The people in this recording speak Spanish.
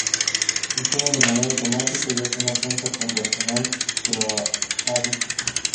Funciona de manera automática, ya que no cuenta con personal que lo habite.